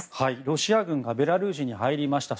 ロシア軍がベラルーシに入りました。